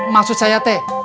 maksud saya teh